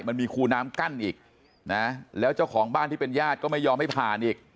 มันมีคูน้ำกั้นอีกนะแล้วเจ้าของบ้านที่เป็นญาติก็ไม่ยอมให้ผ่านอีก